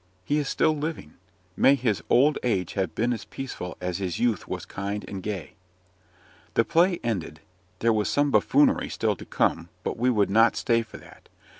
He is still living may his old age have been as peaceful as his youth was kind and gay! The play ended. There was some buffoonery still to come, but we would not stay for that.